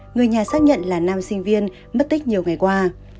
người nhà xác nhận là nam sinh viên mất tích nhiều ngày qua